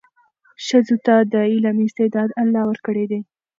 ښځو ته د علم استعداد الله ورکړی دی.